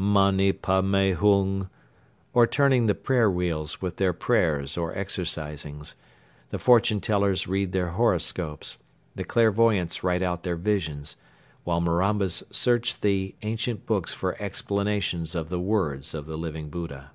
Mani padme Hung!" or turning the prayer wheels with their prayers or exorcisings; the fortune tellers read their horoscopes; the clairvoyants write out their visions; while Marambas search the ancient books for explanations of the words of the Living Buddha.